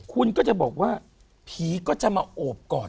คุณก็จะบอกว่าผีก็จะมาโอบกอด